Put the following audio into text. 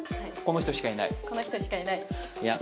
この人しかいないいや